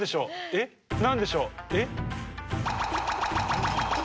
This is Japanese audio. えっ何でしょう？